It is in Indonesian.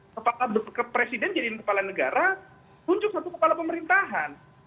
kepala presiden jadi kepala negara kunjung satu kepala pemerintahan